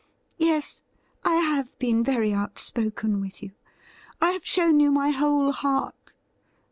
Yes, I have been very outspoken with you; I have shown you ray whole heart.